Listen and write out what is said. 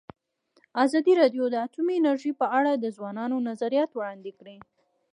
ازادي راډیو د اټومي انرژي په اړه د ځوانانو نظریات وړاندې کړي.